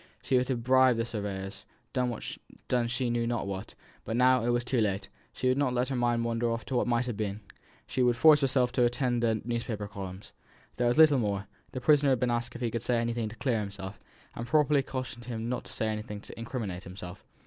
She would have bribed the surveyors, done she knew not what but now it was too late; she would not let her mind wander off to what might have been; she would force herself again to attend to the newspaper columns. There was little more: the prisoner had been asked if he could say anything to clear himself, and properly cautioned not to say anything to incriminate himself.